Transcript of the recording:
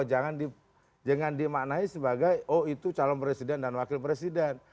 jangan dimaknai sebagai oh itu calon presiden dan wakil presiden